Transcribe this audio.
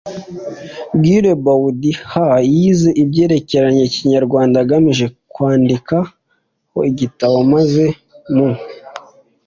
guillebaud h. yize ibyerekeye ikinyarwanda agamije kwandikaho igitabo, maze mu